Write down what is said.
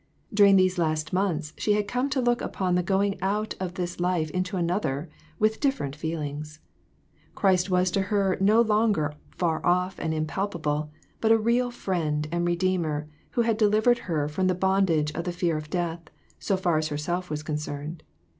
During these last months she had come to look . upon the going out of this life into another with different feelings. Christ was to her no longer far off and impalpable, but a real friend and Redeemer who had delivered her from the bond age of the fear of death, so far as herself was con cerned.